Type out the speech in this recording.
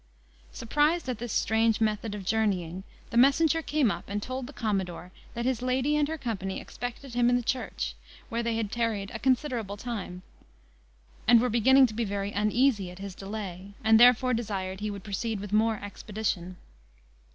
Surprised at this strange method of journeying, the messenger came up, and told the commodore that his lady and her company expected him in the church, where they had tarried a considerable time, and were beginning to be very uneasy at his delay, and therefore desired he would proceed with more expedition.